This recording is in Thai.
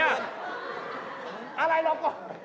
อะไรละลองกรอง